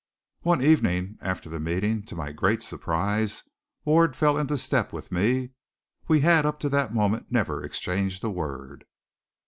One evening, after the meeting, to my great surprise, Ward fell into step with me. We had up to that moment never exchanged a word.